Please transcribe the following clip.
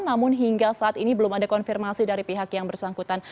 namun hingga saat ini belum ada konfirmasi dari pihak yang bersangkutan